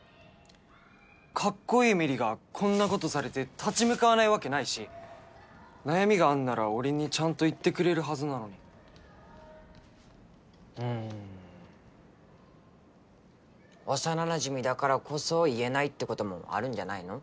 かっこいい芽李がこんなことされて立ち向かわないわけないし悩みがあんなら俺にちゃんと言ってくれるはずなのにうーん幼なじみだからこそ言えないってこともあるんじゃないの？